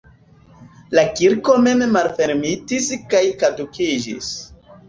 La kirko mem malfermitis kaj kadukiĝis.